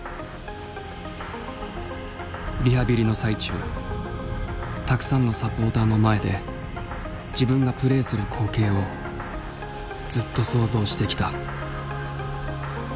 リハビリの最中たくさんのサポーターの前で自分がプレーする光景をずっと想像してきた。